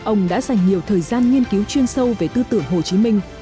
ông đã dành nhiều thời gian nghiên cứu chuyên sâu về tư tưởng hồ chí minh